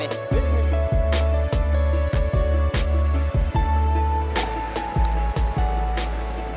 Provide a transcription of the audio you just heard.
nanti berkabar lagi ya